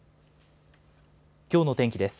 きょうの天気です。